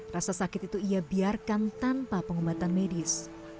rasa sakit itu ia biarkan tanpa pengobatan medis